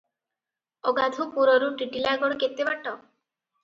ଅଗାଧୁପୁରରୁ ଟିଟିଲାଗଡ଼ କେତେ ବାଟ?